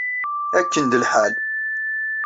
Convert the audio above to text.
Akken d lḥal!